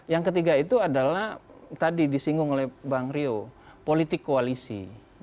yang ketiga itu adalah tadi disinggung oleh bang rio politik koalisi